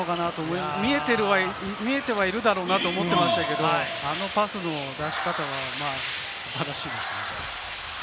見えてはいるだろうなと思っていましたけれど、あのパスの出し方は素晴らしいですね。